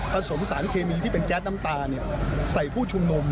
สมสารเคมีที่เป็นแก๊สน้ำตาใส่ผู้ชุมนุม